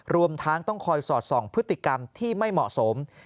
รวมทั้งต้องคอยสอดส่องพฤติกรรมที่ไม่เหมาะสม